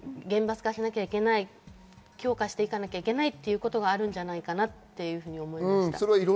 厳罰化しなきゃいけない、強化しなきゃいけないということがあるんじゃないかと思います。